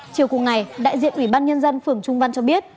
chiều cùng ngày đại diện ủy ban nhân dân phường trung văn cho biết